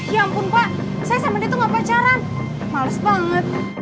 ya ampun pak saya sama dia tuh gak pacaran males banget